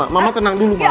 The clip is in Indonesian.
mama tenang dulu ma